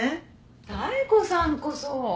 妙子さんこそ。